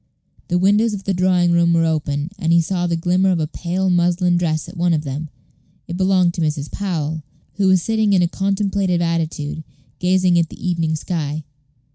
The windows of the drawing room were open, and he saw the glimmer of a pale muslin dress at one of them. It belonged to Mrs. Powell, who was sitting in a contemplative attitude, gazing at the evening sky.